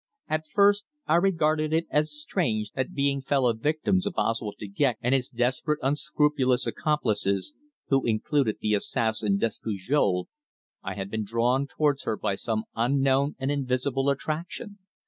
At first I regarded it as strange that being fellow victims of Oswald De Gex and his desperate, unscrupulous accomplices who included the assassin Despujol I had been drawn towards her by some unknown and invisible attraction.